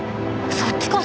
そっちこそ。